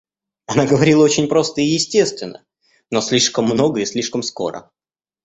Она говорила очень просто и естественно, но слишком много и слишком скоро.